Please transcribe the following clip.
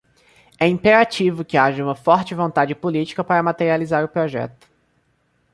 É imperativo que haja uma forte vontade política para materializar o projeto.